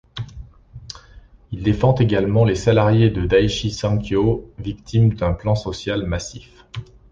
Il défend également les salariés de Daiichi Sankyo, victimes d'un plan social massif.